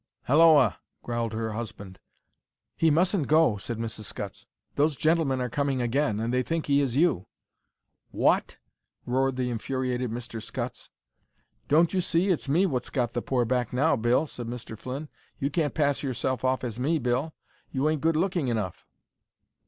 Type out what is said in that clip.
"Halloa," growled her husband. "He mustn't go," said Mrs. Scutts. "Those gentlemen are coming again, and they think he is you." "WHAT!" roared the infuriated Mr. Scutts. "Don't you see? It's me what's got the pore back now, Bill," said Mr. Flynn. "You can't pass yourself off as me, Bill; you ain't good looking enough."